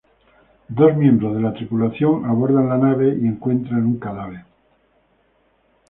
Dos miembros de la tripulación abordan la nave y encuentran un cadáver.